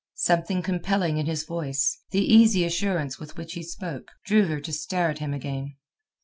Something compelling in his voice, the easy assurance with which he spoke, drew her to stare at him again.